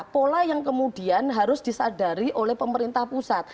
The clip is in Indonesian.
pola yang kemudian harus disadari oleh pemerintah pusat